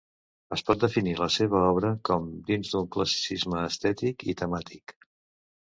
Es pot definir la seva obra com dins d'un classicisme estètic i temàtic.